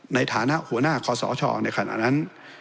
ในฐานะหัวหน้าคอสชในขณะนั้น